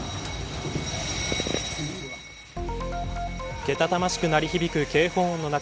けたたましく鳴り響く警報の中。